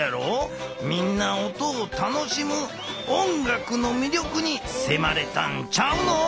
みんな音を楽しむ音楽のみりょくにせまれたんちゃうの？